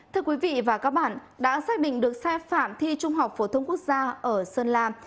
thưa quý vị và các bạn đã xác định được sai phạm thi trung học phổ thông quốc gia ở sơn la